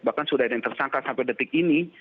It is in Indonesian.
bahkan sudah ada yang tersangka sampai detik ini